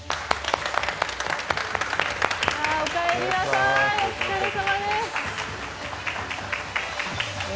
おかえりなさいお疲れさまです。